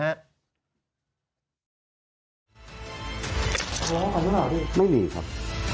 หรออันนั้นหรอดิไม่มีครับ